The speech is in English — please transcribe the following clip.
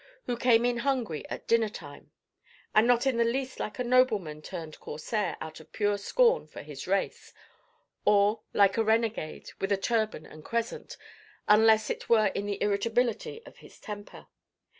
who came in hungry at dinner time; and not in the least like a nobleman turned Corsair out of pure scorn for his race, or like a renegade with a turban and crescent, unless it were in the irritability of his temper.